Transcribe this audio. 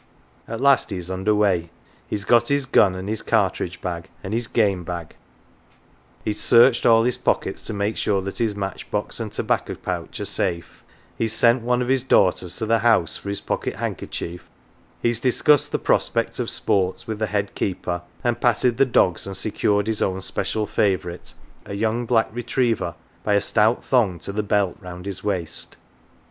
At last he is under weigh ; he has got his gun and his cartridge bag and his game bag; he has searched all his pockets to make sure that his match box and tobacco pouch are safe ; he has sent one of his daughters to the house for his pocket handkerchief ; he has discussed the prospects of sport with the head keeper, and patted the dogs and secured his own special favourite a young black retriever by a stout thong to the belt round his waist.